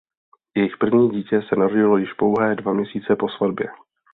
Jejich první dítě se narodilo již pouhé dva měsíce po svatbě.